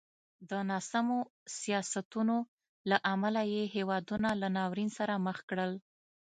د ناسمو سیاستونو له امله یې هېوادونه له ناورین سره مخ کړل.